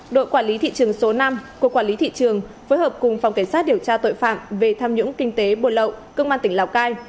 đội quản lý thị trường số năm của quản lý thị trường phối hợp cùng phòng cảnh sát điều tra tội phạm về tham nhũng kinh tế buồn lậu công an tỉnh lào cai